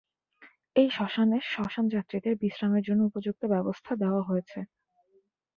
এই শ্মশানে শ্মশান যাত্রীদের বিশ্রামের জন্য উপযুক্ত ব্যবস্থা দেওয়া হয়েছে।